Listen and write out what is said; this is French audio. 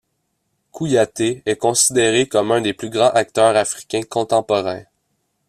Kouyaté est considéré comme un des plus grands acteurs africains contemporains.